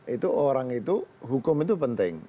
itu orang itu hukum itu penting